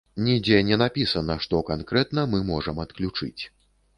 Нідзе не напісана, што канкрэтна мы можам адключыць.